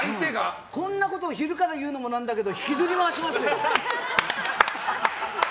こんなことを昼から言うのもなんだけど引きずり回しますよ。